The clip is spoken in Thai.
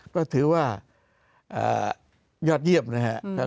ก็ถือว่ายอดเยี่ยมนะครับ